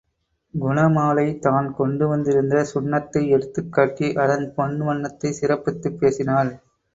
குணமாலை தான் கொண்டுவந்திருந்த சுண்ணத்தை எடுத்துக் காட்டி அதன் பொன் வண்ணத்தைச் சிறப்பித்துப் பேசினாள்.